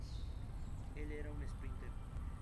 Él era un esprínter.